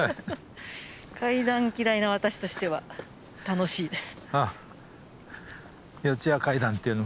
階段嫌いな私としては楽しいです。